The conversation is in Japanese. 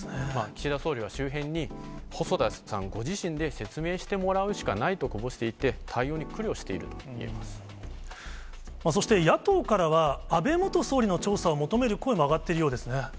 岸田総理は周辺に、細田さんご自身で説明してもらうしかないと、こぼしていて、そして、野党からは、安倍元総理の調査を求める声も上がっているようですね。